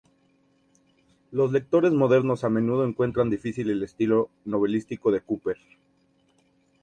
Los lectores modernos a menudo encuentran difícil el estilo novelístico de Cooper.